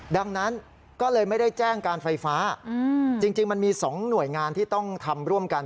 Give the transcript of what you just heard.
ดังนั้นก็เลยไม่ได้แจ้งการไฟฟ้าจริงมันมี๒หน่วยงานที่ต้องทำร่วมกัน